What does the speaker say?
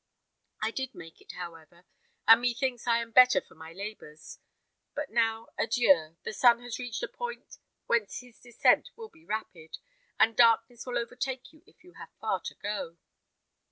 I did make it, however, and methinks I am better for my labours. But now, adieu! The sun has reached a point whence his descent will be rapid, and darkness will overtake you if you have far to go."